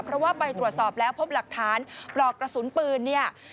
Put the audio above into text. เพราะว่าไปตรวจสอบแล้วพบหลักฐานปลอกกระสุนปืนเนี่ย